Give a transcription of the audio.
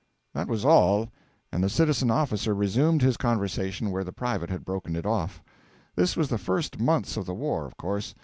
That was all, and the citizen officer resumed his conversation where the private had broken it off. This was in the first months of the war, of course.